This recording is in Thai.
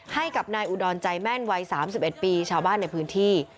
ให้กับนายอุดรใจแม่นวัย๓๑ปีชาวบ้านในพื้นที่